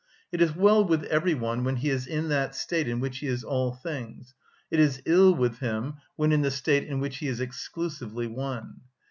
It is well with every one when he is in that state in which he is all things; it is ill with him when in the state in which he is exclusively one.